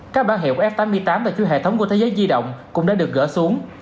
các bản hiệu f tám mươi tám và chuỗi hệ thống của thế giới di động cũng đã được gỡ xuống